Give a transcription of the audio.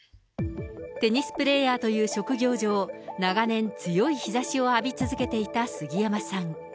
テニスプレーヤーという職業上、長年強い日ざしを浴び続けていた杉山さん。